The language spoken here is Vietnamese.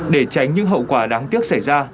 để tránh những hậu quả đáng tiếc xảy ra